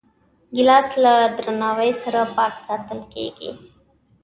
ګیلاس له درناوي سره پاک ساتل کېږي.